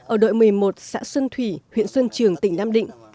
ở đội một mươi một xã xuân thủy huyện xuân trường tỉnh nam định